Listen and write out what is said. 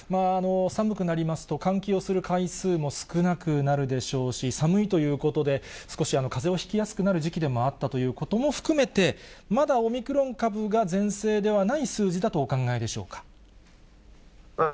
寒くなりますと、換気をする回数も少なくなるでしょうし、寒いということで、少しかぜをひきやすくなる時期であったということも含めて、まだオミクロン株が全盛ではない数字だとお考えでしょうか。